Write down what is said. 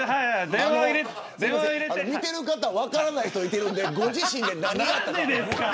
見てる方分からない人いてるんでご自身で何があったか。